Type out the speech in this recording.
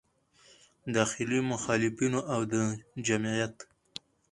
داخلي مخالفینو او د جمعیت